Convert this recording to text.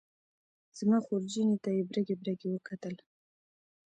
زما خورجینې ته یې برګې برګې وکتل.